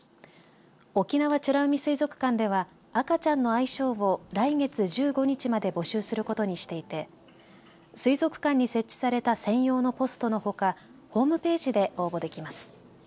沖縄美ら海水族館では赤ちゃんの愛称を来月１５日まで募集することにしていて水族館に設置された専用のポストのほかホームページで応募できます。